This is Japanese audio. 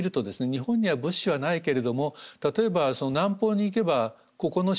日本には物資はないけれども例えば南方に行けばここの島にはこんな物資がある。